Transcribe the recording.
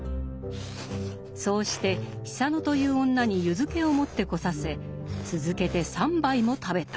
そうして久野という女に湯漬けを持ってこさせ続けて３杯も食べた。